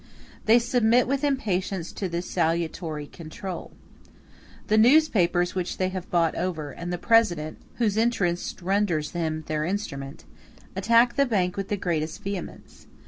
They submit with impatience to this salutary control. The newspapers which they have bought over, and the President, whose interest renders him their instrument, attack the bank with the greatest vehemence.